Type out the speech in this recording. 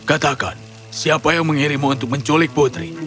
katakan siapa yang mengirimmu untuk menculik putri